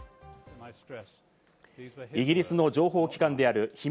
イギリスの情報機関である秘密